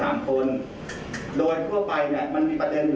เรียกผลในการตรวจทำให้มันออกมาแค่สามคน